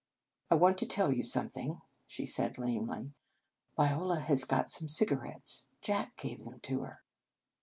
" I want to tell you something," she said lamely. "Viola has got some cigarettes. Jack gave them to her."